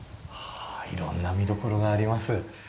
いろんな見どころがあります。